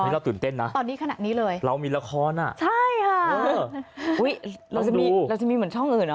เราตื่นเต้นนะเรามีละครอ่ะตอนนี้ขนาดนี้เลยใช่ค่ะเราจะมีเหมือนช่องอื่นอ่ะ